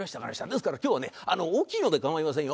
ですから今日はね大きいので構いませんよ。